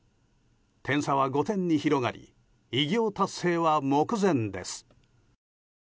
点差は５点に広がり偉業達成は目前です。